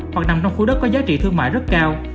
hoặc nằm trong khu đất có giá trị thương mại rất cao